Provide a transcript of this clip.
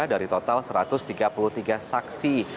dari total satu ratus tiga puluh tiga saksi